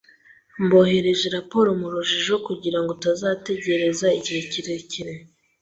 Mboherereje raporo murujijo, kugirango utazategereza igihe kirekire.